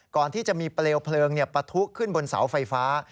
ก่อนที่จะมีเปลวเพลิงปะทุขึ้นบนเสาไฟฟ้า